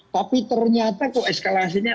tapi ternyata tuh eskalasinya